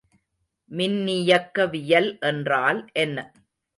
மின்னியக்கவியல் என்றால் என்ன?